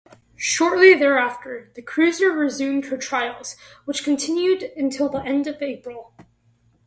Shortly thereafter, the cruiser resumed her trials, which continued until the end of April.